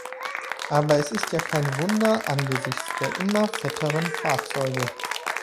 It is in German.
Aber es ist ja kein Wunder angesichts der immer fetteren Fahrzeuge.